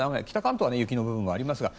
北関東は雪の部分もあります。